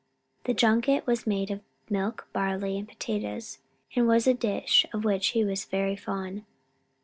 The junket was made of milk, barley, and potatoes, and was a dish of which he was very fond.